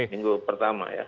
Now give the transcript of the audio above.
minggu pertama ya